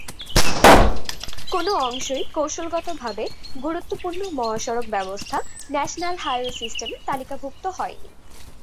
কোন অংশই কৌশলগতভাবে গুরুত্বপূর্ণ মহাসড়ক ব্যবস্থা, ন্যাশনাল হাইওয়ে সিস্টেমে তালিকাভুক্ত হয়নি।